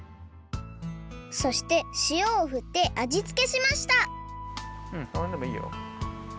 そしてしおをふってあじつけしましたうんそのへんでもいいよ。